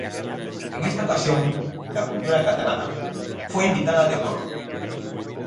En esta ocasión, "la cultura catalana" fue invitada de honor.